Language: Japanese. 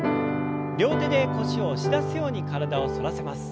両手で腰を押し出すように体を反らせます。